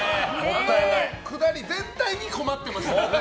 あのくだり全体に困ってましたからね。